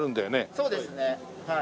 そうですねはい。